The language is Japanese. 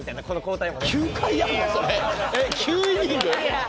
９イニング？